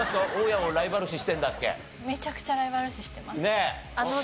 めちゃくちゃライバル視してます。